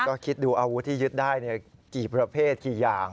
ก็คิดดูอาวุธที่ยึดได้กี่ประเภทกี่อย่าง